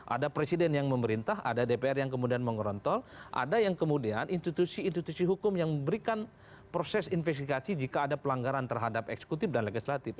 ada presiden yang memerintah ada dpr yang kemudian mengorontol ada yang kemudian institusi institusi hukum yang memberikan proses investigasi jika ada pelanggaran terhadap eksekutif dan legislatif